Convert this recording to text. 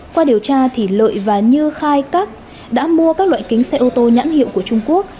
qua điều tra thì lợi và như khai cắt đã mua các loại kính xe ô tô nhãn hiệu của trung quốc